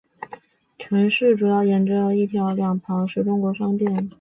城区主要沿着一条两旁是中国商店的街道而建。